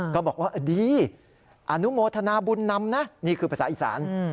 ก็บอกว่าดีอนุโมทนาบุญนำนะนี่คือภาษาอีสาน